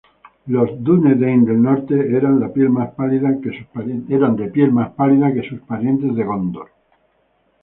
Los dúnedain del Norte eran de piel más pálida que sus parientes de Gondor.